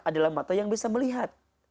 adalah mata yang bisa melihat